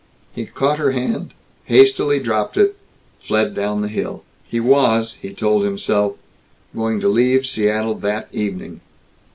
He caught her hand, hastily dropped it, fled down the hill. He was, he told himself, going to leave Seattle that evening.